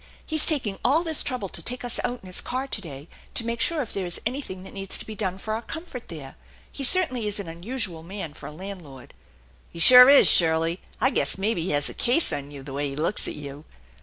He's taking all this trouble to take us out in his car to day to make sure if there is anything that needs to be done for our comfort there. He certainly is an unusual man for a landlord." " He sure is, Shirley. I guess mebbe he has a case on you the way he looks at you."